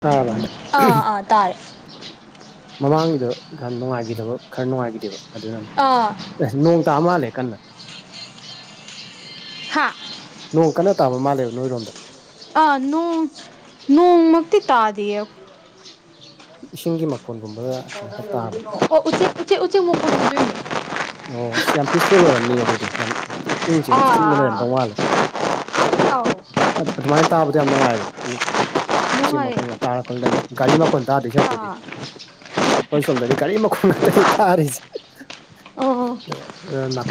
ꯇꯥꯔꯕ ꯑꯥ [unintelligible] ꯑꯥ ꯇꯥꯔꯦ ꯃꯃꯥꯡꯒꯤꯗꯣ ꯈꯔ ꯅꯨꯡꯉꯥꯏꯒꯤꯗꯕ ꯈꯔ ꯅꯨꯡꯉꯥꯏꯒꯤꯗꯦꯕ ꯑꯗꯨꯅꯅꯦ꯫ ꯑꯥ ꯑꯁ ꯅꯣꯡ ꯇꯥ ꯃꯥꯜꯂꯦ ꯀꯟꯅ ꯍꯥꯥ꯫ ꯅꯣꯡ ꯀꯟꯅ ꯇꯥꯕ ꯃꯥꯜꯂꯦꯕ ꯅꯣꯏ ꯔꯣꯝꯗ꯫ ꯑꯥ ꯅꯣꯡ ꯅꯣꯡꯃꯛꯇꯤ ꯇꯥꯗꯌꯦ ꯏꯁꯤꯡꯒꯤ ꯃꯈꯣꯟ ꯑꯣ ꯎꯆꯦꯛ ꯎꯆꯦꯛ ꯎꯆꯦꯛ ꯃꯈꯣꯟ ꯑꯣꯏꯗꯨꯏꯅꯦ ꯑꯣ ꯁꯤ ꯌꯥꯝ ꯄꯤꯁꯐꯨꯜ ꯑꯣꯏꯔꯝꯅꯤ ꯑꯗꯨꯗꯤ ꯌꯥꯝ ꯏꯪꯡ ꯆꯤꯡꯅ ꯑꯥ ꯑꯥ ꯂꯩꯔꯝꯗꯧ ꯃꯥꯜꯂꯦ ꯑꯥꯎ ꯑꯗꯨꯃꯥꯏꯅ ꯇꯥꯕꯗ ꯌꯥꯝ ꯅꯨꯡꯉꯥꯏꯕ ꯎꯆꯦꯛ ꯅꯨꯡꯉꯥꯏꯌꯦ ꯃꯈꯣꯟꯒ ꯇꯥꯔꯒ ꯂꯩ ꯒꯥꯔꯤ ꯃꯈꯣꯟ ꯇꯗꯨꯏ ꯁꯔꯨꯛ ꯑꯥ ꯑꯩꯈꯣꯏ ꯁꯣꯝꯗꯗꯤ ꯒꯥꯔꯤ ꯃꯈꯣꯟ ꯉꯥꯛꯇꯅꯤ ꯇꯥꯔꯤꯁꯦ ꯑꯣ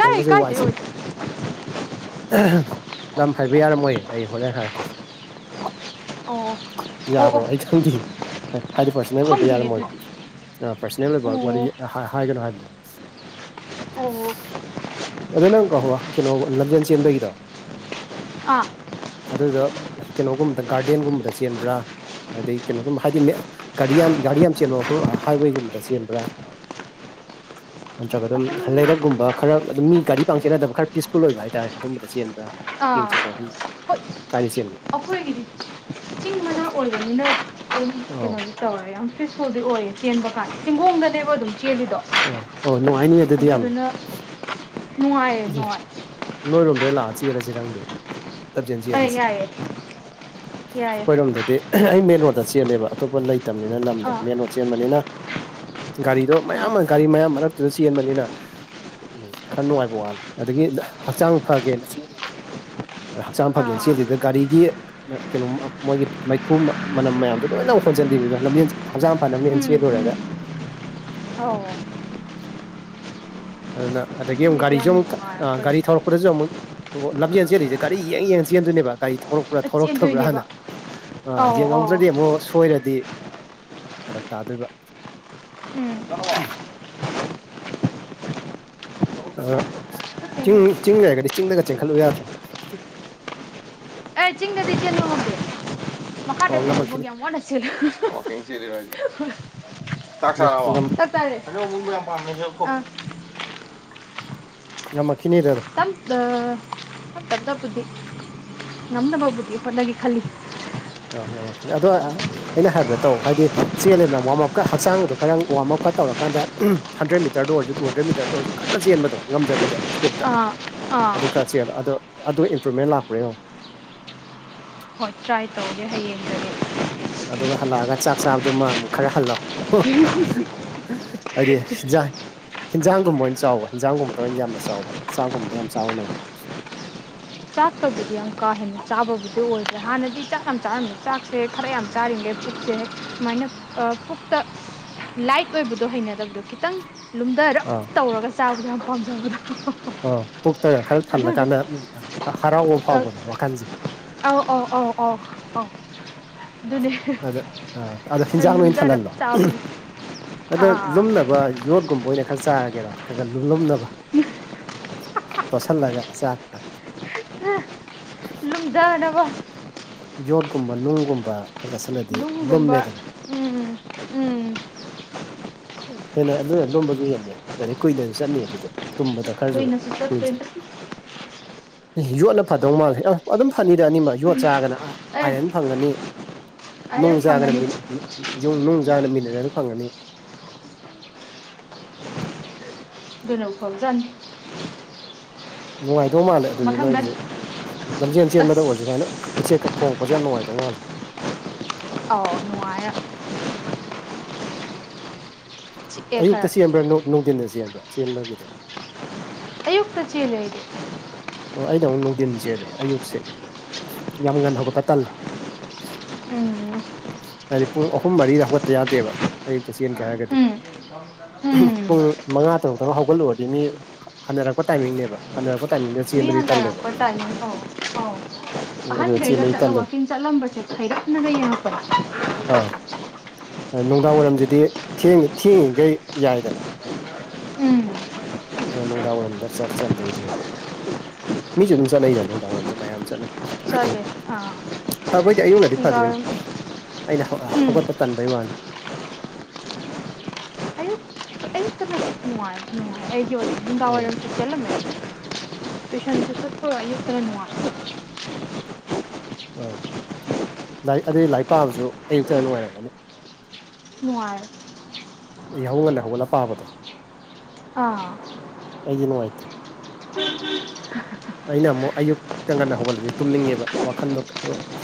ꯀꯥꯏ ꯋꯥꯏ ꯀꯥꯏꯗꯩ ꯆꯤꯟꯂꯤ ꯑꯣꯏꯗꯣꯏ ꯂꯝ ꯍꯥꯏꯕ ꯌꯥꯔꯝꯃꯣꯏ ꯑꯩ ꯍꯣꯔꯦꯟ ꯍꯥꯏꯔꯛꯀꯦ ꯑꯣ ꯑꯣ ꯌꯥꯕ꯭ꯔꯣ ꯑꯣ ꯑꯩ ꯈꯪꯗꯦ ꯍꯣꯏ ꯍꯥꯏꯗꯤ ꯄꯔꯁꯣꯅꯦꯜ ꯑꯣꯏꯕ ꯈꯪꯗꯤꯌꯦ ꯌꯥꯔꯝꯃꯣꯏ ꯑꯗꯨꯗꯤ ꯄꯥꯔꯁꯣꯅꯦꯜ ꯑꯣꯏꯕ ꯋꯥꯔꯤ ꯑꯣ ꯍꯥꯏꯒꯅꯣ ꯍꯥꯏꯕꯗ ꯑꯣ ꯑꯗꯨ ꯅꯪ ꯀ ꯀꯩꯅꯣ ꯂꯝꯖꯦꯟ ꯆꯦꯟꯕꯒꯤꯗꯣ ꯑꯥ ꯑꯗꯨꯗꯣ ꯀꯩꯅꯣꯒꯨꯝꯕꯗ ꯒꯥꯔꯗꯦꯟꯒꯨꯝꯕꯗ ꯆꯦꯟꯕ꯭ꯔꯥ ꯑꯗꯩ ꯀꯩꯅꯣꯒꯨꯝꯕ ꯍꯥꯏꯗꯤ ꯒꯥꯔꯤ ꯌꯥꯝ ꯒꯥꯔꯤ ꯌꯥꯝ ꯆꯦꯟꯕ ꯃꯐꯝ ꯍꯥꯏꯋꯦꯒꯨꯝꯕꯗ ꯆꯦꯟꯕ꯭ꯔꯥ ꯅꯠꯇ꯭ꯔꯒ ꯑꯗꯨꯝ ꯂꯩꯔꯛꯀꯨꯝꯕ ꯈꯔ ꯑꯗꯨꯝ ꯃꯤ ꯒꯥꯔꯤ ꯄꯥꯡ ꯆꯦꯟꯗꯕ ꯈꯔ ꯄꯤꯁꯐꯨꯜ ꯑꯣꯏꯕ ꯍꯥꯏꯇꯥꯔꯦ ꯑꯗꯨꯝꯕꯗ ꯆꯦꯟꯕ꯭ꯔꯥ ꯌꯦꯡꯁꯤ ꯀꯣ ꯒꯔꯤꯁꯦ ꯑꯩꯈꯣꯢꯒꯤꯗꯤ ꯆꯤꯡ ꯃꯅꯥꯛ ꯑꯣꯏꯕꯅꯤꯅ [unintelligible] ꯑꯧ ꯀꯩꯅꯣꯗꯤ ꯇꯧꯔ ꯌꯥꯝ ꯄꯤꯁꯐꯨꯜꯗꯤ ꯑꯣꯏꯌꯦ ꯆꯦꯟꯕ ꯀꯥꯟꯗ ꯆꯤꯡꯒꯣꯡꯗꯅꯦꯕ ꯑꯗꯨꯝ ꯆꯦꯜꯂꯤꯗꯣ ꯑꯥ ꯑꯣ ꯅꯨꯡꯉꯥꯏꯅꯤ ꯑꯗꯨꯗꯤ ꯌꯥꯝꯅ ꯑꯗꯨꯗꯨꯅ ꯅꯨꯡꯉꯥꯏꯌꯦ ꯅꯨꯡꯉꯥꯏꯌꯦ ꯅꯣꯏꯔꯣꯝꯗ ꯑꯣꯢꯅ ꯂꯥꯛꯑ ꯆꯦꯜꯂꯁꯤꯔ ꯈꯪꯗꯦ ꯂꯥꯝꯖꯦꯜ ꯑꯦ ꯆꯜꯂꯤꯁꯦ ꯌꯥꯏꯌꯦ ꯌꯥꯏꯌꯦ ꯑꯩꯈꯣꯏꯔꯣꯝꯗꯗꯤ ꯑꯩ ꯃꯦꯟ ꯔꯣꯗ ꯆꯦꯜꯂꯦꯕ ꯑꯇꯣꯞꯄ ꯂꯩꯇꯕꯅꯤꯅ ꯂꯝꯗꯣ ꯑꯥ ꯃꯦꯟ ꯔꯣꯗ ꯆꯦꯟꯕꯅꯤꯅ ꯒꯥꯔꯤꯗꯣ ꯃꯌꯥꯝ ꯑꯥ ꯑꯃ ꯒꯥꯔꯤ ꯃꯌꯥꯝ ꯃꯔꯛꯇꯨꯗ ꯆꯦꯟꯕꯅꯤꯅ ꯎ ꯈꯔ ꯅꯨꯡꯉꯥꯏꯕ ꯋꯥꯠꯂꯦ ꯑꯗꯒꯤ ꯍꯛꯆꯥꯡ ꯐꯒꯦꯅ ꯍꯛꯆꯥꯡ ꯐꯒꯦꯅ ꯑꯥ ꯆꯦꯜꯂꯤꯗ ꯒꯥꯔꯤꯒꯤ ꯀꯩꯅꯣꯝ ꯃꯣꯏꯒꯤ ꯃꯩꯈꯨ ꯃꯅꯝ ꯃꯌꯥꯝꯗꯣ ꯂꯣꯏꯅꯃꯛ ꯍꯣꯟꯖꯟꯗꯣꯏꯅꯤꯗꯣ ꯂꯝꯖꯦꯟ ꯍꯛꯆꯥꯡ ꯐꯅ ꯂꯝꯅꯦꯟ ꯎꯝ ꯎꯝ ꯆꯦꯜꯂꯨꯔꯒ ꯑꯧ ꯑꯗꯨꯅ ꯑꯗꯒꯤ ꯑꯃꯨꯛ ꯑꯗꯨꯒꯤꯗꯤ ꯒꯥꯔꯤꯁꯨ ꯌꯥꯝ ꯑꯃꯨꯛ ꯅꯨꯡꯉꯥꯏ ꯑꯩꯈꯣꯏꯗꯤ ꯒꯥꯔꯤ ꯊꯧꯔꯛꯄ ꯁꯨ ꯑꯃꯨꯛ ꯂꯝꯖꯦꯟ ꯆꯦꯜꯂꯤꯁꯦ ꯒꯥꯔꯤ ꯌꯦꯡ ꯌꯦꯡ ꯆꯦꯟꯗꯣꯏꯅꯦꯕ ꯒꯥꯔꯤ ꯊꯧꯔꯛꯄ ꯄꯨꯔꯥ ꯆꯦꯟꯗꯣꯏꯅꯦꯕ ꯊꯧꯔꯛꯇꯕ꯭ꯔꯥꯅ ꯑ ꯑꯧ ꯑꯧ ꯌꯦꯡꯍꯧꯗ꯭ꯔꯗꯤ ꯑꯃꯨꯛ ꯁꯣꯏꯔꯗꯤ ꯐꯥꯔꯛ ꯇꯥꯗꯨꯢꯕ ꯎꯝ ꯑ ꯆꯤꯡ ꯆꯤꯡ ꯂꯩꯔꯒꯗꯤ ꯆꯤꯡꯗꯒ ꯆꯦꯟꯈꯠꯂꯨ ꯌꯥꯗ꯭ꯔꯣ ꯑꯩ ꯆꯤꯡꯗꯗꯤ ꯆꯦꯟꯕ ꯉꯝꯗꯦ ꯑꯣ ꯃꯈꯥꯗꯐꯥꯎ ꯉꯝꯃꯛꯈꯤꯅꯤ ꯌꯥꯝ ꯋꯥꯅ [unintelligible] ꯆꯥꯛ ꯆꯥꯔꯕꯣ ꯔꯣꯡ ꯃꯔ ꯄꯥꯝꯃꯦꯁꯨ [unintelligible] ꯉꯥꯝꯃꯛꯈꯤꯅꯤꯗ ꯑꯗꯨꯝ ꯇꯞ ꯇꯞ ꯇꯠꯇꯕꯨꯗꯤ ꯉꯝꯅꯕꯕꯨꯗꯤ ꯍꯣꯠꯅꯒꯦꯅꯗꯤ ꯈꯜꯂꯤ ꯑ ꯑꯗꯣ ꯑꯩꯅ ꯍꯥꯏꯕꯗꯣ ꯇꯧ ꯍꯥꯏꯗꯤ ꯆꯦꯜꯂꯦꯗꯅ ꯋꯥꯔꯝꯑꯞꯀ ꯍꯛꯆꯥꯡꯗꯣ ꯈꯔ ꯋꯥꯔꯝ ꯑꯞꯀ ꯇꯧꯔꯀꯥꯟ ꯍꯟꯗ꯭ꯔꯦꯗ ꯃꯤꯇꯔꯗ ꯑꯣꯏꯔꯁꯨ ꯇꯨ ꯍꯟꯗ꯭ꯔꯦꯗ ꯃꯤꯇꯔꯗ ꯑꯣꯏꯔꯁꯨ ꯀꯟꯅ ꯆꯦꯟꯕꯗꯣ ꯉꯝꯖꯕꯤꯗ ꯏꯁꯄꯤꯠꯇ ꯑꯥ ꯑꯥ ꯑꯗꯨ ꯈꯔ ꯆꯦꯜꯂꯣ ꯑꯗꯣ ꯑꯗꯨꯒ ꯏꯝꯄ꯭ꯔꯨꯚꯃꯦꯟ ꯂꯥꯛꯄꯔꯥ ꯌꯦꯡꯉꯣ ꯍꯣꯏ ꯇ꯭ꯔꯥꯏ ꯇꯧꯒꯦ ꯍꯌꯦꯡꯗꯒꯤ ꯑꯗꯨꯒ ꯍꯜꯂꯛꯑꯒ ꯆꯥꯛ ꯆꯥꯕꯗꯨꯃ ꯑꯃꯨꯛ ꯈꯔ ꯍꯜꯂꯣ ꯍꯥꯢꯗꯤ ꯌꯦꯟꯁꯥꯡ ꯍꯤꯟꯖꯥꯡꯒꯨꯝꯕ ꯑꯣꯏꯅ ꯆꯥꯎꯕ ꯍꯤꯟꯖꯥꯡꯒꯨꯝꯕꯗ ꯑꯣꯏꯅ ꯌꯥꯝꯅ ꯆꯥꯎꯕ ꯆꯥꯛꯒꯨꯝꯕꯗ ꯌꯥꯝ ꯆꯥꯎꯔꯨꯅꯣꯕ ꯆꯥꯛꯇꯕꯨꯗꯤ ꯌꯥꯝ ꯀꯥ ꯍꯦꯟꯅ ꯆꯥꯕꯕꯨꯗꯤ ꯑꯣꯏꯗ꯭ꯔꯦ ꯍꯥꯟꯅꯗꯤ ꯆꯥꯛ ꯌꯥꯝ ꯆꯥꯔꯝꯃꯦ ꯆꯥꯛꯁꯦ ꯈꯔ ꯌꯥꯝ ꯆꯥꯔꯤꯉꯩ ꯄꯨꯛꯁꯦ ꯁꯨꯃꯥꯏꯅ ꯄꯨꯛꯇ ꯂꯥꯏꯠ ꯑꯣꯏꯕꯗꯣ ꯍꯩꯅꯗꯕꯗꯣ ꯈꯤꯇꯪ ꯂꯨꯝꯗꯔꯞ ꯑꯥ ꯇꯧꯔꯒ ꯆꯥꯕꯗ ꯌꯥꯝ ꯄꯥꯝꯖꯕꯗꯣ ꯑꯣ ꯄꯨꯛꯇꯒ ꯈꯔ ꯑꯗꯨꯗꯣ ꯊꯜꯂꯀꯥꯟꯗ ꯍꯔꯥꯎꯕ ꯐꯥꯎꯕꯗꯣ ꯋꯥꯈꯜꯁꯦ ꯑꯥꯎ ꯑꯥꯎ ꯑꯥꯎ ꯑꯥꯎ ꯑꯥꯎ ꯑꯗꯨꯅꯦ ꯑꯗ ꯑ ꯑꯗꯣ ꯍꯦꯟꯖꯥꯡꯅ ꯑꯣꯢꯅ ꯂꯨꯝꯊꯔꯞ ꯊꯜꯍꯜꯂꯣ ꯆꯥꯕꯒꯤ ꯈꯗ ꯑꯥ ꯂꯨꯝꯅꯕ ꯌꯣꯠꯒꯨꯝꯕ ꯑꯣꯏꯅ ꯈꯔ ꯆꯥꯔꯒꯦꯔꯣ ꯈꯔ ꯈꯥ ꯂꯨꯝꯅꯕ ꯇꯣꯁꯥꯜꯂꯒ ꯆꯥꯛꯒ ꯂꯨꯝꯗꯥꯅꯕ ꯌꯣꯠꯀꯨꯝꯕ ꯅꯨꯡꯒꯨꯝꯕ ꯈꯔ ꯆꯥꯁꯤꯜꯂꯗꯤ ꯅꯨꯡꯒꯨꯝꯕ ꯂꯨꯝꯃꯦꯗꯅ ꯎꯝ ꯎꯝ ꯍꯦꯟꯅ ꯑꯗꯨꯅ ꯂꯨꯝꯕꯁꯨ ꯍꯦꯟꯅꯤ ꯑꯗꯨ ꯀꯨꯏꯅ ꯆꯠꯅꯤ ꯑꯗꯨꯗꯤ ꯂꯨꯝꯕꯗꯣ ꯈꯔꯖꯨ ꯀꯨꯏꯅꯁꯨ ꯀꯨꯏꯖꯦ ꯆꯠꯇꯣꯏꯅꯦ ꯌꯣꯠꯅ ꯐꯗꯧ ꯃꯥꯜꯂꯦ ꯑ ꯑꯗꯨꯝ ꯐꯅꯤꯗ ꯑꯅꯤꯃꯛ ꯌꯣꯠ ꯆꯥꯔꯒꯅ ꯑꯥ ꯑꯦ ꯑꯥꯏꯔꯟ ꯐꯪꯉꯅꯤ ꯑꯩ ꯅꯨꯡ ꯆꯥꯔꯒꯅ ꯐꯪꯉꯅꯤ ꯃꯤ ꯌꯨꯡ ꯅꯨꯡ ꯆꯥꯔꯒꯅ ꯃꯤꯅꯔꯦꯜ ꯐꯪꯉꯅꯤ ꯑꯗꯨꯅꯕꯨ ꯐꯕꯖꯥꯠꯅꯤ ꯅꯨꯡꯉꯥꯏꯗꯧ ꯃꯥꯜꯂꯦ ꯑꯗꯨꯗꯤ ꯃꯊꯪꯗ ꯅꯣꯏꯒꯤꯁꯦ ꯂꯝꯖꯦꯟ ꯆꯦꯟꯕꯗ ꯑꯁ ꯑꯣꯏꯔꯁꯨ ꯁꯨꯃꯥꯏꯅ ꯎꯆꯦꯛꯀ ꯈꯣꯡꯄꯖꯦ ꯌꯥꯝ ꯅꯨꯡꯉꯥꯏꯗꯧ ꯃꯥꯜꯂꯤ ꯑꯥꯎ ꯅꯨꯡꯉꯥꯏꯌꯦ ꯆꯤꯛꯑꯦ ꯈꯔ ꯑꯌꯨꯛꯇ ꯆꯦꯟꯕ꯭ꯔꯥ ꯅꯨꯡ ꯅꯨꯡꯊꯤꯟꯗ ꯆꯦꯟꯕ꯭ꯔꯥ ꯆꯦꯟꯕꯒꯤꯗꯤ ꯑꯌꯨꯛꯇ ꯆꯦꯜꯂꯦ ꯑꯩꯗꯤ ꯑꯣ ꯑꯩꯅ ꯑꯃꯨꯛ ꯅꯨꯡꯗꯤꯟ ꯆꯦꯜꯂꯦ ꯑꯌꯨꯛꯁꯦ ꯌꯥꯝ ꯉꯟꯅ ꯍꯧꯒꯠꯄ ꯇꯜꯂꯦ ꯎꯝ ꯍꯥꯏꯗꯤ ꯄꯨꯡ ꯑꯍꯨꯝ ꯃꯔꯤꯗ ꯍꯧꯒꯠꯇ ꯌꯥꯗꯦꯕ ꯑꯌꯨꯛꯇ ꯆꯦꯟꯒꯦ ꯍꯥꯏꯔꯒꯗꯤ ꯎꯝ ꯎꯝ ꯄꯨꯡ ꯃꯉꯥ ꯇꯔꯨꯛ ꯇꯒ ꯍꯧꯒꯠꯂꯨꯔꯗꯤ ꯃꯤ ꯍꯟꯅꯔꯛꯄ ꯇꯥꯏꯃꯤꯡꯅꯦꯕ ꯍꯟꯅꯔꯛꯄ ꯇꯥꯏꯃꯤꯡꯗ ꯆꯦꯟꯕꯗꯤ ꯇꯜꯂꯦꯕ ꯄ ꯇꯥꯏ ꯑꯧ ꯑꯧ ꯎꯝ ꯑꯗꯨꯗ ꯑꯍꯟꯒꯩꯒ ꯆꯦꯟꯕꯗꯤ ꯆꯠꯂꯣ ꯇꯜꯂꯦꯕ ꯋꯥꯛꯀꯤꯡ ꯆꯠꯂꯝꯕꯁꯦ ꯊꯩꯔꯛ ꯑꯗꯨꯗ ꯌꯦꯡꯉꯛꯄ ꯑꯥ ꯑꯥ ꯅꯨꯡꯗꯥꯡ ꯋꯥꯏꯔꯝꯁꯤꯗꯤ ꯊꯦꯡꯗ ꯊꯦꯡꯉꯤꯈꯩ ꯌꯥꯏꯗꯅ ꯎꯝ ꯑꯗꯨꯅ ꯅꯨꯡꯗꯥꯡ ꯋꯥꯏꯔꯝꯗ ꯆꯠ ꯆꯠꯂꯦ ꯑꯩꯗꯤꯅꯦ ꯃꯤꯁꯨ ꯑꯗꯨꯝ ꯆꯠꯅꯩꯗꯅ ꯅꯨꯡꯗꯥꯡ ꯋꯥꯏꯔꯝꯗ ꯃꯌꯥꯝ ꯆꯠꯅꯩ ꯆꯠꯂꯦ ꯑꯥ ꯐꯕꯩꯗꯤ ꯑꯌꯨꯛꯅꯗꯤ ꯐꯗꯣꯏꯅꯤ ꯅꯨꯡꯗꯥꯡꯋꯥꯏꯔꯝ ꯑꯩꯅ ꯍꯧ ꯑ ꯎꯝ ꯍꯧꯒꯠꯄ ꯇꯟꯕꯩ ꯋꯥꯅꯤ [unintelligible] ꯑꯌꯨꯛ ꯑꯌꯨꯛꯇꯅ ꯅꯨꯡꯉꯥꯏ ꯅꯨꯡꯉꯥꯏ ꯑꯩꯒꯤ ꯑꯣꯏꯅꯗꯤ ꯅꯨꯡꯗꯥꯡ ꯎꯝ ꯋꯥꯏꯔꯝ ꯆꯦꯜꯂꯝꯃꯦ ꯇꯨꯏꯁꯟꯁꯨ ꯆꯠꯄꯒ ꯑꯌꯨꯛꯇꯅ ꯅꯨꯡꯉꯥꯏ ꯑ ꯂꯥꯏꯔꯤꯛ ꯑꯗꯨꯗꯤ ꯂꯥꯏꯔꯤꯛ ꯄꯥꯕꯖꯨ ꯑꯌꯨꯛꯇꯅ ꯅꯨꯡꯉꯥꯏꯔꯝꯒꯅꯤ ꯅꯨꯉꯥꯏ ꯌꯥꯍꯧ ꯉꯟꯅ ꯍꯧꯒꯠꯂ ꯄꯥꯕꯗꯣ ꯑꯥ ꯑꯩꯗꯤ ꯅꯨꯡꯉꯥꯏꯇꯦ ꯑꯩꯅ ꯑꯃꯨꯛ ꯑꯌꯨꯛꯇ ꯉꯟꯅ ꯍꯧꯒꯠꯂꯗꯤ ꯇꯨꯝꯅꯤꯡꯉꯦꯕ ꯋꯥꯈꯟꯗꯣ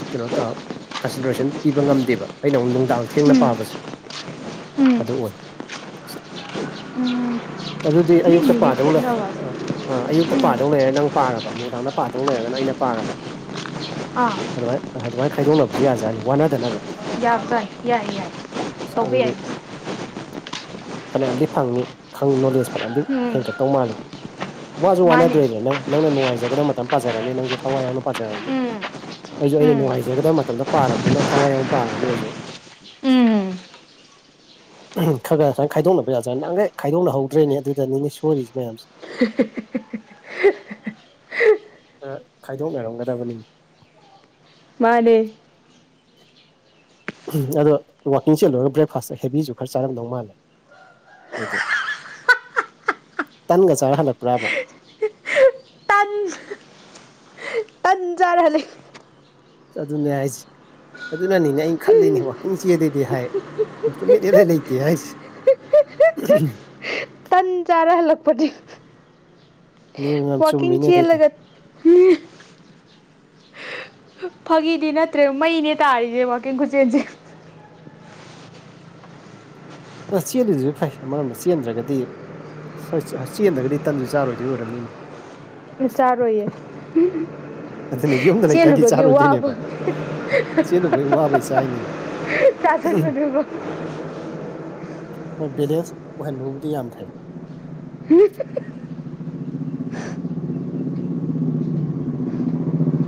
ꯀꯩꯅꯣ ꯇꯧꯔ ꯀꯟꯁꯦꯟꯇ꯭ꯔꯦꯁꯟ ꯄꯤꯕ ꯉꯝꯗꯦꯕ ꯑꯩꯅ ꯑꯃꯨꯛ ꯅꯨꯡꯗꯥꯡ ꯊꯦꯡꯅ ꯎꯝ ꯄꯥꯕꯁꯦ ꯎꯝ ꯑꯗꯨ ꯑꯣꯏ ꯎꯝ ꯑꯗꯨꯗꯤ ꯃꯤ ꯑꯌꯨꯛꯇ ꯃꯤꯒꯤ ꯄꯥꯗꯧꯅꯦ ꯈꯦꯠꯅꯕ ꯑꯗꯨꯝ ꯑꯥ ꯑ ꯑꯌꯨꯛꯇ ꯎꯝ ꯄꯥꯗꯧ ꯂꯩꯔ ꯅꯪ ꯄꯥꯔꯕ ꯅꯨꯡꯗꯥꯡꯗ ꯄꯥꯗꯧ ꯂꯩꯔꯒꯅ ꯑꯩꯅ ꯄꯥꯔꯕ ꯑꯥ ꯑꯗꯨꯃꯥꯏ ꯑꯗꯨꯃꯥꯏ ꯈꯥꯏꯗꯣꯛꯅꯕꯖꯨ ꯌꯥꯖꯥꯠꯅꯤ ꯋꯥꯅꯗꯅꯕ [unintelligible] ꯌꯥꯏ ꯌꯥꯏ ꯇꯧꯕ ꯑꯗꯨꯗꯤ ꯌꯥꯏ ꯐꯅꯌꯥꯝꯗꯤ ꯐꯪꯅꯤ ꯈꯪ ꯅꯣꯂꯦꯖ ꯐꯅꯌꯥꯝꯗꯤ ꯎꯝ ꯍꯦꯟꯒꯠꯇꯧ ꯃꯥꯜꯂꯤ ꯋꯥꯁꯨ ꯃꯥꯅꯦ ꯋꯥꯅꯗ꯭ꯔꯦꯗ꯭ꯔꯥ ꯅꯪ ꯅꯪꯅ ꯅꯨꯡꯉꯥꯏꯖꯒꯗꯕ ꯃꯇꯝ ꯄꯥꯖꯔꯅꯤ ꯅꯪꯁꯨ ꯊꯋꯥꯏ ꯌꯥꯎꯅ ꯄꯥꯖꯔꯅꯤ ꯎꯝ ꯑꯩꯖꯨ ꯑꯩꯅ ꯎꯝ ꯅꯨꯡꯉꯥꯏꯖꯒꯗꯕ ꯃꯇꯝꯗ ꯄꯥꯔꯕꯅꯤꯅ ꯊꯋꯥꯏ ꯌꯥꯝ ꯄꯥꯔꯅꯤ ꯑꯩꯖꯨ ꯎꯝ ꯈꯔ ꯈꯔ ꯁꯨꯃꯥꯏꯅ ꯈꯥꯏꯗꯣꯛꯅꯕ ꯌꯥꯖꯥꯠꯅꯤ ꯅꯍꯥꯟꯒꯩ ꯈꯥꯏꯗꯣꯛꯅꯍꯧꯗ꯭ꯔꯦꯅꯦ ꯑꯗꯨꯗꯅꯤꯅꯦ ꯁꯣꯏꯔꯤꯁꯦ ꯃꯌꯥꯝꯁꯦ [unintelligible] ꯈꯔ ꯈꯥꯏꯗꯣꯛꯅꯔꯝꯒꯗꯕꯅꯤꯅꯦ ꯃꯥꯅꯦ ꯑꯗꯣ ꯋꯥꯛꯀꯤꯡ ꯆꯦꯜꯂꯣꯏꯔꯒ ꯕ꯭ꯔꯦꯛꯐꯥꯁꯇ ꯍꯦꯕꯤꯖꯨ ꯈꯔ ꯆꯥꯔꯝꯗꯧ ꯃꯥꯜꯂꯦ ꯑꯗꯨꯗꯤ ꯇꯟꯒ ꯆꯥꯔ ꯍꯜꯂꯛꯄ꯭ꯔꯥꯕ ꯇꯟ꯫ ꯆꯔ ꯍꯜꯂ‌ꯦ ꯑꯗꯨꯅ‌ꯦ ꯍꯥꯏꯖ‌ꯦ ꯑꯗꯨꯅꯅꯤꯅꯦ ꯑꯩꯅ ꯈꯜꯂꯤꯅꯦ ꯋꯥꯛꯀꯤꯡ ꯆꯦꯜꯂꯤꯗꯤ ꯍꯥꯏ ꯏꯝꯄ꯭ꯔꯨꯚꯃꯦꯟ ꯏꯂꯩ ꯂꯩꯇꯦ ꯍꯥꯏꯖꯦ ꯎ ꯇꯟ ꯆꯥꯔ ꯍꯜꯂꯛꯄꯗꯤ ꯅꯤꯌꯣꯝ ꯌꯥꯝ ꯋꯥꯀꯤꯡ ꯆꯨꯝꯃꯤꯅꯦ ꯑꯗꯨꯗꯤ ꯆꯦꯜꯂꯒ ꯐꯥꯒꯤꯗꯤ ꯅꯠꯇ꯭ꯔꯦ ꯃꯩꯅꯦ ꯇꯥꯔꯤꯖꯦ ꯋꯀꯤꯡ ꯈꯨꯆꯦꯟꯖꯦ ꯑ ꯆꯦꯜꯂꯤꯗꯨꯖꯨ ꯐꯩ ꯑꯃꯔꯣꯝꯗ ꯆꯦꯟꯗ꯭ꯔꯒꯗꯤ ꯁꯁ ꯑ ꯆꯦꯟꯗ꯭ꯔꯒꯗꯤ ꯇꯟꯁꯨ ꯆꯥꯔꯣꯏꯗꯤ ꯑꯣꯏꯔꯝꯅꯤꯅꯤ ꯑꯩꯖꯨ ꯆꯥꯔꯣꯏꯌꯦ ꯑꯗꯨꯅ ꯌꯨꯝꯗ ꯂꯩꯇꯥꯔꯗꯤ ꯆꯦꯜꯂꯨꯕꯒꯤ ꯋꯥꯕꯨ ꯆꯥꯔꯣꯏꯗꯣꯏꯅꯦꯕ ꯆꯦꯜꯂꯨꯕꯩ ꯋꯥꯕꯩ ꯆꯥꯏꯅꯤꯅꯦ ꯆꯥ ꯁꯤꯟꯕꯅꯦꯕ ꯍꯣꯏ ꯕꯦꯂꯦꯟꯁ ꯑꯣꯏꯍꯟꯕꯕꯨꯗꯤ ꯌꯥꯝ ꯐꯩ ꯍꯝ ꯫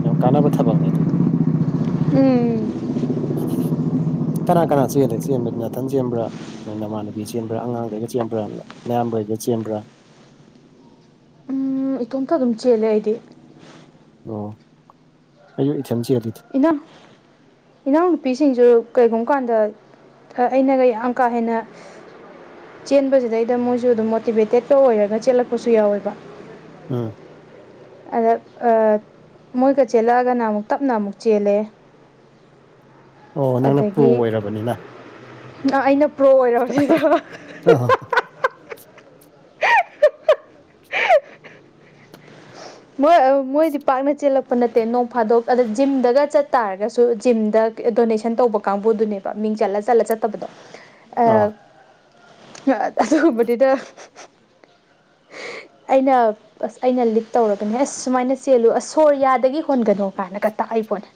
ꯌꯥꯝ ꯀꯥꯟꯅꯕ ꯊꯕꯛꯅꯦ ꯑꯗꯨ ꯎꯝ ꯀꯅꯥ ꯀꯅꯥ ꯆꯜꯂꯤ ꯆꯦꯟꯕꯗꯤ ꯅꯊꯥꯜ ꯆꯦꯟꯕ꯭ꯔꯥ ꯅꯣꯏ ꯅꯃꯥꯟꯅꯕꯤ ꯆꯦꯟꯕ꯭ꯔꯥ ꯑꯉꯥꯡꯈꯩꯒ ꯆꯦꯟꯕ꯭ꯔꯥ ꯃꯌꯥꯝꯕꯩꯒ ꯆꯦꯟꯕ꯭ꯔꯥ ꯎꯝ ꯏꯇꯣꯝꯇ ꯑꯗꯨꯝ ꯆꯦꯜꯂꯦ ꯑꯩꯗꯤ ꯑꯣ ꯑꯩꯁꯨ ꯏꯊꯥꯜ ꯆꯦꯜꯂꯤꯗ ꯏꯟꯅ [unintelligible] ꯏꯅꯥꯎꯅꯨꯄꯤꯁꯤꯡꯁꯨ ꯀꯔꯤꯒꯨꯝꯕ ꯀꯥꯟꯗ ꯑꯩꯅ ꯌꯥꯝ ꯀꯥ ꯍꯦꯟꯅ ꯆꯦꯟꯕꯁꯤꯗꯩꯗ ꯃꯣꯏꯁꯨ ꯑꯗꯨꯝ ꯃꯣꯇꯤꯕꯦꯇꯦꯠꯠꯇ ꯑꯣꯏꯔꯒ ꯆꯦꯜꯂꯛꯄꯁꯨ ꯌꯥꯎꯋꯦꯕ ꯎꯝ ꯑꯗ ꯃꯣꯏꯒ ꯆꯦꯜꯂꯛꯑꯒꯅ ꯑꯃꯨꯛ ꯇꯞꯅ ꯑꯃꯨꯛ ꯆꯦꯜꯂꯦ ꯑꯣ ꯅꯪꯅ ꯄ꯭ꯔꯣ ꯑꯗꯒꯤ ꯑꯣꯏꯔꯕꯅꯤꯅ ꯑꯩꯅ ꯄ꯭ꯔꯣ ꯑꯣꯏꯔꯕꯁꯤꯗ ꯑ ꯃꯣꯏ ꯃꯣꯏꯗꯤ ꯄꯥꯛꯅ ꯆꯦꯜꯂꯛꯄ ꯅꯠꯇꯦ ꯅꯣꯡ ꯐꯥꯗꯣꯛ ꯑꯗ ꯖꯤꯝꯗꯒ ꯆꯠꯇꯥꯥꯔꯒꯁꯨ ꯖꯤꯝꯗ ꯗꯣꯅꯦꯁꯟ ꯇꯧꯕ ꯀꯥꯡꯕꯨꯗꯨꯅꯦꯕ ꯃꯤꯡ ꯆꯠꯂ ꯆꯠꯂ ꯆꯠꯇꯕꯗꯣ [unintelligible] ꯑꯧ ꯑꯗꯨꯒꯨꯝꯕꯅꯤꯅ ꯑꯩꯅ ꯑꯩꯅ ꯂꯤ ꯇꯧꯔꯒꯅꯦ ꯑꯁ ꯁꯨꯃꯥꯏꯅ ꯆꯦꯜꯂꯨ ꯑꯁ ꯁꯣꯔꯌꯥꯗꯒꯤ ꯍꯣꯟꯒꯅꯨ ꯀꯥꯏꯅꯒ ꯇꯥꯛꯏ ꯄꯣꯠꯅꯦ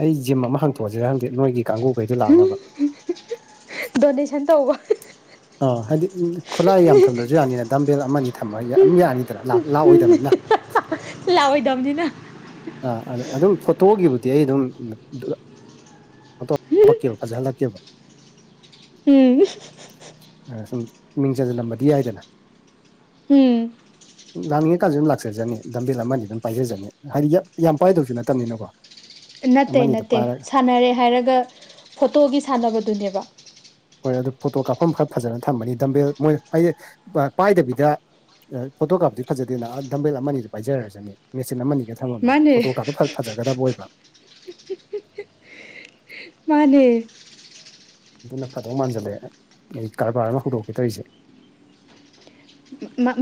ꯑꯩ ꯖꯤꯝ ꯑꯃ ꯍꯥꯡꯇꯣꯛꯑꯁꯤꯔ ꯈꯪꯗꯦ ꯅꯣꯏꯒꯤ ꯀꯥꯡꯒꯕꯨꯈꯩꯗꯣ ꯂꯥꯛꯅꯕ ꯗꯣꯅꯦꯁꯟ ꯇꯧꯕ ꯑꯣ ꯍꯥꯏꯗꯤ ꯈꯨꯠꯂꯥꯏ ꯌꯥꯝ ꯊꯝꯗ꯭ꯔꯁꯨ ꯌꯥꯅꯤꯅ ꯗꯥꯝꯕꯦꯜ ꯑꯃꯅꯤ ꯊꯝꯃ ꯑꯗꯨꯝ ꯌꯥꯅꯤꯗꯅ ꯂꯥꯛꯑꯣꯏꯗꯕꯅꯤꯅ ꯂꯥꯛꯑꯣꯏꯗꯕꯅꯤꯅ ꯑꯥ ꯑꯗꯨꯝ ꯐꯣꯇꯣꯒꯤꯕꯨꯗꯤ ꯑꯩ ꯑꯗꯨꯝ [unintelligible] ꯐꯖꯂꯛꯦꯕ ꯎꯝ ꯁꯨꯝ ꯃꯤꯡ ꯆꯟꯁꯤꯜꯂꯝꯕꯗꯤ ꯌꯥꯏꯗꯅ ꯎꯝ ꯂꯥꯛꯅꯤꯡꯉꯀꯥꯟꯁꯨ ꯑꯗꯨꯝ ꯂꯥꯛꯆꯖꯅꯤ ꯗꯝꯕꯤꯜ ꯑꯃꯗꯤ ꯑꯗꯨꯝ ꯄꯥꯏꯖꯅꯤ ꯍꯥꯏꯗꯤ ꯌꯥꯝ ꯄꯥꯏꯗꯧꯁꯨ ꯅꯠꯇꯕꯅꯤꯅꯀꯣ ꯅꯠꯇꯦ ꯑꯃꯅꯤꯗ ꯅꯠꯇꯦ ꯄꯥꯏꯔꯒ ꯁꯥꯟꯅꯔꯦ ꯍꯥꯏꯔꯒ ꯐꯣꯇꯣꯒꯤ ꯁꯥꯟꯅꯕꯗꯨꯅꯦꯕ ꯍꯣꯏ ꯑꯗꯨ ꯐꯣꯇꯣ ꯀꯥꯞꯐꯝ ꯈꯔ ꯐꯖꯅ ꯊꯝꯃꯅꯤ ꯗꯝꯕꯦꯜ ꯃꯣꯏ ꯄꯥꯏꯗꯕꯤꯗ ꯐꯣꯇꯣ ꯀꯥꯞꯕꯗꯤ ꯐꯖꯗꯦꯅ ꯗꯝꯕꯦꯜ ꯑꯃ ꯑꯅꯤꯗꯤ ꯄꯥꯏꯖꯔꯁꯅꯤ ꯃꯦꯆꯤꯟ ꯑꯃ ꯑꯅꯤꯒ ꯊꯥꯃꯥꯝꯃꯒꯦ ꯃꯥꯅꯦ ꯐꯣꯇꯣ ꯀꯥꯞꯄ ꯐꯖꯒꯗꯕ ꯑꯣꯏꯕꯥ ꯃꯥꯅꯦ ꯑꯗꯨꯅ ꯐꯗꯧ ꯃꯥꯟꯖꯜꯂꯛꯑꯦ ꯑꯩ ꯀꯔꯕꯥꯔ ꯑꯃ ꯍꯧꯗꯣꯛꯀꯦ ꯇꯧꯔꯤꯁꯦ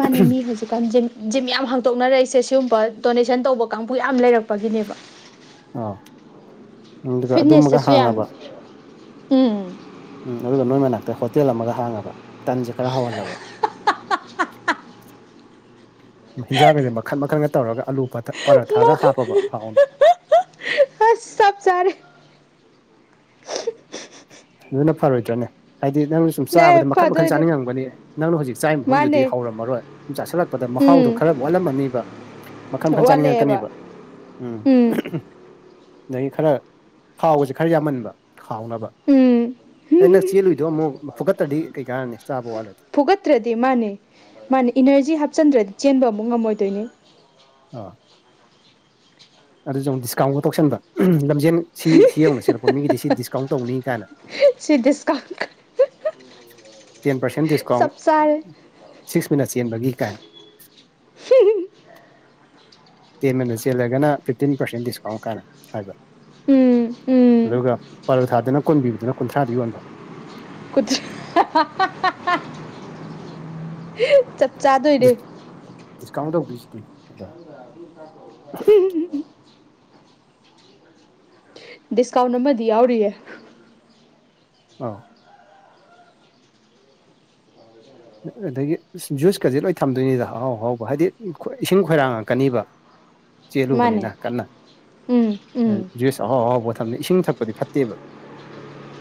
ꯃꯥꯅꯦ ꯃꯤ ꯍꯧꯖꯤꯛ ꯍꯧꯖꯤꯛꯀꯥꯟ ꯖꯤꯝ ꯖꯤꯝ ꯌꯥꯝ ꯍꯥꯡꯇꯣꯛꯅꯔꯛꯏꯁꯦ ꯁꯤꯒꯨꯝꯕ ꯗꯣꯅꯦꯁꯟ ꯇꯧꯕ ꯀꯥꯡꯕꯨ ꯌꯥꯝ ꯂꯩꯔꯛꯄꯒꯤꯅꯦꯕ ꯑꯥ ꯑꯗꯨꯒ ꯑꯗꯨꯃꯒ ꯐꯤꯠꯅꯦꯁꯇꯁꯨ ꯌꯥꯝ ꯍꯥꯡꯉꯕ ꯎꯝ ꯎꯝ ꯑꯗꯨꯒ ꯅꯣꯏ ꯃꯅꯥꯛꯇ ꯍꯣꯇꯦꯜ ꯑꯃꯒ ꯍꯥꯡꯉꯕ ꯇꯟꯁꯦ ꯈꯔ ꯍꯥꯎꯍꯜꯂꯕ ꯍꯤꯟꯖꯥꯡ ꯀꯩꯀꯩ ꯃꯈꯜ ꯃꯈꯜꯒ ꯇꯧꯔꯒ ꯑꯥꯂꯨ ꯄꯔꯥꯊꯥꯔꯒ ꯍꯥꯞꯄꯕ ꯍꯥꯎꯅ ꯆꯥꯞ ꯆꯥꯔꯦ ꯑꯗꯨꯅ ꯐꯔꯣꯏꯗ꯭ꯔꯅꯦ ꯍꯥꯏꯗꯤ ꯅꯪ ꯁꯨꯝ ꯅꯦ ꯆꯥꯕꯗ ꯃꯈꯟ ꯃꯈꯟ ꯐꯗꯣꯏꯅꯦ ꯆꯥꯅꯤꯡꯉꯝꯒꯅꯤ ꯅꯪꯅ ꯍꯧꯖꯤꯛ ꯆꯥꯏ ꯃꯐꯝꯗꯨꯗꯤ ꯃꯥꯅꯦ ꯍꯧꯔꯝꯃꯔꯣꯏ ꯁꯨꯝ ꯆꯥꯁꯤꯜꯂꯛꯄꯗ ꯃꯍꯥꯎꯗꯣ ꯎꯝ ꯈꯔ ꯋꯥꯠꯂꯝꯃꯅꯤꯕ ꯃꯈꯜ ꯃꯈꯜ ꯋꯥꯠꯂꯛꯑꯦꯕ ꯆꯥꯅꯤꯡꯉꯛꯀꯅꯦꯕ ꯎꯝ ꯑꯗꯒꯤ ꯈꯔ ꯊꯥꯎꯒꯁꯦ ꯈꯔ ꯌꯥꯝꯃꯟꯕ ꯈꯥꯎꯅꯕ ꯎꯝ ꯑꯩ ꯅꯪ ꯆꯦꯜꯂꯨꯏꯗꯣ ꯑꯃꯨꯛ ꯐꯨꯒꯠꯇ꯭ꯔꯗꯤ ꯀꯩ ꯀꯥꯟꯅꯅꯤ ꯆꯥꯕ ꯋꯥꯠꯂꯗꯤ ꯐꯨꯒꯠꯇ꯭ꯔꯗꯤ ꯃꯥꯅꯤ ꯃꯥꯅꯤ ꯏꯅꯔꯖꯤ ꯍꯥꯞꯆꯤꯟꯗ꯭ꯔꯗꯤ ꯆꯦꯟꯕ ꯑꯃꯨꯛ ꯉꯝꯃꯣꯏꯗꯣꯏꯅꯤ ꯑꯣ ꯑꯗꯨꯖꯨ ꯑꯃꯨꯛ ꯗꯤꯁꯀꯥꯎꯟꯒ ꯇꯧꯁꯟꯕ ꯎꯝ ꯂꯝꯖꯦꯟ ꯁꯤ ꯁꯤ ꯌꯧꯅ ꯆꯦꯜꯂꯛꯄ ꯃꯤꯒꯤꯗꯤ ꯁꯤ ꯗꯤꯁꯀꯥꯎꯟ ꯇꯧꯅꯤ ꯀꯥꯏꯅ ꯁꯤ ꯗꯤꯁꯀꯥꯎꯟ ꯇꯦꯟ ꯄꯥꯔꯁꯦꯟ ꯗꯤꯁꯀꯥꯎꯟ ꯆꯞ ꯆꯥꯔꯦ ꯁꯤꯛꯁ ꯃꯤꯅꯠ ꯆꯦꯟꯕꯒꯤ ꯀꯥꯏ ꯇꯦꯟ ꯃꯗ ꯆꯦꯜꯂꯒꯅ ꯐꯤꯞꯇꯤꯟ ꯄꯥꯔꯁꯦꯟ ꯗꯤꯁꯀꯥꯎꯟ ꯀꯥꯟꯅ ꯍꯥꯏꯕ ꯎꯝ ꯎꯝ ꯑꯗꯨꯒ ꯄꯔꯣꯊꯥꯗꯅ ꯀꯨꯟꯄꯤꯕꯗꯨꯅ ꯀꯨꯟꯊ꯭ꯔꯥꯗ ꯌꯣꯟꯕ [unintelligible] ꯆꯞ ꯆꯥꯗꯣꯏꯅꯦ ꯗꯤꯁꯀꯥꯎꯟ ꯇꯧꯗꯣꯏꯁꯤꯗꯤ ꯑꯗꯣ ꯗꯤꯁꯀꯥꯎꯟ ꯑꯃꯗꯤ ꯌꯥꯎꯔꯤꯌꯦ ꯑꯥꯎ ꯑꯗꯒꯤ ꯖꯨꯁꯀꯖꯦ ꯂꯣꯏ ꯊꯝꯗꯣꯏꯅꯤꯗ ꯑꯍꯥꯎ ꯑꯍꯥꯎꯕ ꯍꯥꯏꯗꯤ ꯏꯁꯤꯡ ꯈꯣꯏꯔꯥꯡꯉꯛꯀꯅꯤꯕ ꯃꯥꯅꯦ ꯆꯦꯜꯂꯨꯕꯅꯤꯅ ꯀꯟꯅ ꯎꯝ ꯎꯝ ꯖꯨꯏꯁ ꯑꯍꯥꯎ ꯑꯍꯥꯎꯕ ꯊꯝꯅꯤ ꯏꯁꯤꯡ ꯊꯛꯄꯗꯤ ꯐꯠꯇꯦꯕ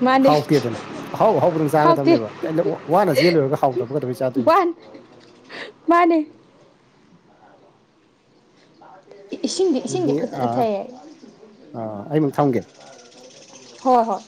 ꯃꯥꯅꯦ ꯍꯥꯎꯇꯦꯗꯅ ꯑꯍꯥꯎ ꯑꯍꯥꯎꯕꯗꯪ ꯆꯥꯒꯗꯕꯅꯦꯕ ꯀꯩꯅꯣ ꯋꯥ ꯋꯥꯅ ꯆꯦꯜꯂꯣꯔꯒ ꯍꯥꯎ ꯕꯥꯟ ꯃꯥꯅꯤ ꯏ ꯏꯁꯤꯡꯗꯤ ꯏꯁꯤꯡꯗꯤ ꯑꯗꯨꯗꯤ ꯐꯖꯅ ꯑꯥ ꯊꯛꯑꯦ ꯑꯥ ꯑꯩꯃꯨꯛ ꯊꯝꯒꯦ ꯍꯣꯏ ꯍꯣꯏ